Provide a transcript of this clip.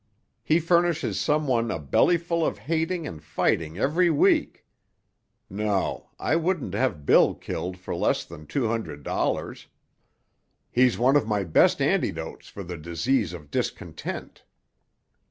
He furnishes some one a bellyful of hating and fighting every week. No; I wouldn't have Bill killed for less than two hundred dollars. He's one of my best antidotes for the disease of discontent."